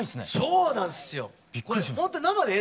そうなんです。